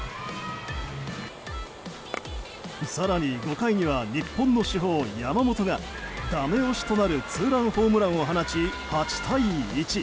更に５回には日本の主砲・山本がダメ押しとなるツーランホームランを放ち８対１。